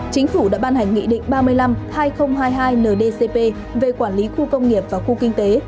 chính phủ đã ban hành nghị định ba mươi năm hai nghìn hai mươi hai ndcp về quản lý khu công nghiệp và khu kinh tế